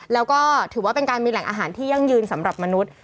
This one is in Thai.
แล้วก็ถือว่าเป็นการมีแหล่งอาหารที่ยั่งยืนสำหรับมนุษย์